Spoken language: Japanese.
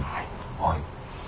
はい。